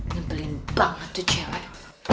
nyibelin banget tuh cewek